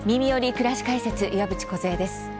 くらし解説」岩渕梢です。